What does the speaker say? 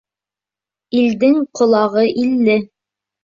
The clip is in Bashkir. Илдең ҡолағы илле.